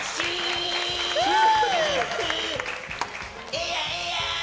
ええやん、ええやん。